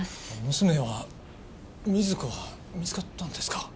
娘は瑞子は見つかったんですか？